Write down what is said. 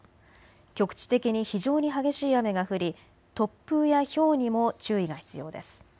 局地的に非常に激しい雨が降り突風やひょうにも注意が必要です。